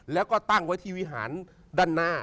แล้วก็ตั้งไว้ที่วิหารด้านหน้า